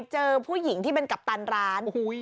เจอผู้หญิงที่เป็นกัปตันร้าน